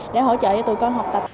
để hỗ trợ cho tụi con học tập